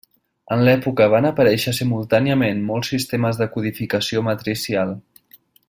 En l'època van aparèixer simultàniament molts sistemes de codificació matricial.